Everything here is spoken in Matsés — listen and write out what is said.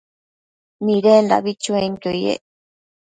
Nidendabi chuenquio yec